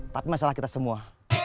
tapi masalah kita semua